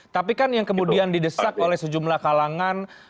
tapi kan yang kemudian didesak oleh sejumlah kalangan